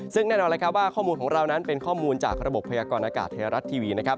ซึ่งแน่นอนเลยครับว่าข้อมูลของเรานั้นเป็นข้อมูลจากระบบพยากรณากาศไทยรัฐทีวีนะครับ